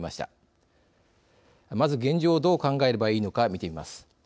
まず現状をどう考えればいいのか見てみます。